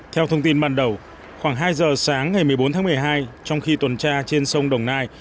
theo thông tin ban đầu khoảng hai giờ sáng ngày một mươi bốn tháng một mươi hai trong khi tuần tra trên sông đồng nai